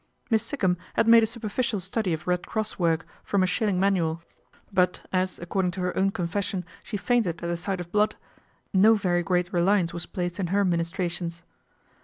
Miss Sikkum had made a superficial study of Red Cross work from a shilling manual 262 PATRICIA BRENT, SPINSTER but as, according to her own confession, she fainted at the sight of blood, no very great reliance was placed in her ministrations.